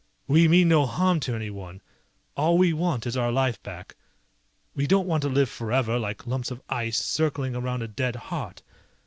"We mean no harm to anyone. All we want is our life back. We don't want to live forever like lumps of ice circling around a dead heart.